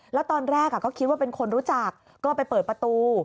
แล้วตอนแรกก็คิดว่าเป็นคนรู้จักก็ไปเปิดประตู